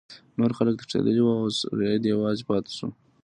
نور خلک تښتیدلي وو او سید یوازې پاتې شو.